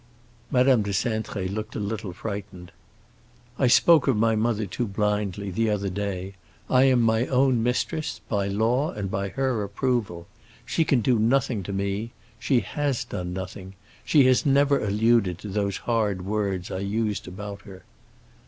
Madame de Cintré looked a little frightened. "I spoke of my mother too blindly, the other day. I am my own mistress, by law and by her approval. She can do nothing to me; she has done nothing. She has never alluded to those hard words I used about her."